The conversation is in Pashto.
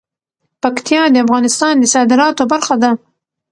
پکتیا د افغانستان د صادراتو برخه ده.